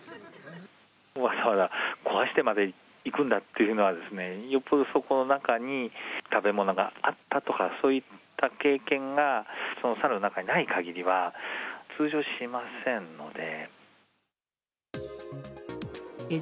わざわざ壊してまで行くんだっていうのは、よっぽどそこの中に食べ物があったとか、そういった経験が、そのサルにないかぎりは、通常しませんので。